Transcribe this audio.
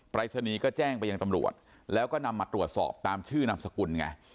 รายศนีย์ก็แจ้งไปยังตำรวจแล้วก็นำมาตรวจสอบตามชื่อนามสกุลไง